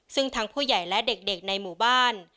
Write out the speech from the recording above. ซึ่งทั้งผู้ใหญ่และเด็กในหมู่บ้าน